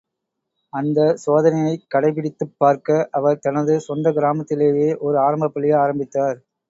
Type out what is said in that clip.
அந்த சோதனையைக் கடைப்பிடித்துப் பார்க்க அவர் தனது சொந்தக் கிராமத்திலேயே ஓர் ஆரம்பப் பள்ளியை ஆரம்பித்தார்.